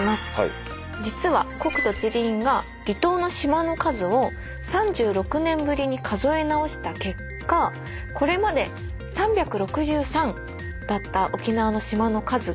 実は国土地理院が離島の島の数を３６年ぶりに数え直した結果これまで３６３だった沖縄の島の数が６９１に変更されたそうです。